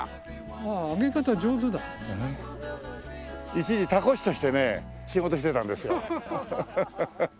一時凧師としてね仕事してたんですよ。